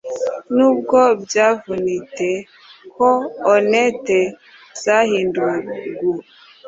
nubwo byavunite - ko onnet zahinduwe gua,